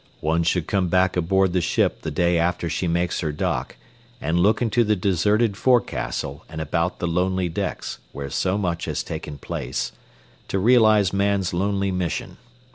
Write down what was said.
One should come back aboard the ship the day after she makes her dock and look into the deserted forecastle and about the lonely decks, where so much has taken place, to realize man's lonely mission.